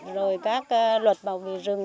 rồi các luật bảo vệ rừng